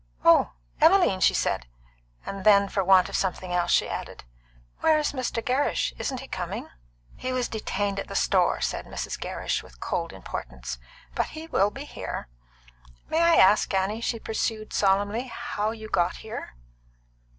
"Oh, Emmeline!" she said; and then, for want of something else, she added, "Where is Mr. Gerrish? Isn't he coming?" "He was detained at the store," said Mrs. Gerrish, with cold importance; "but he will be here. May I ask, Annie," she pursued solemnly, "how you got here?"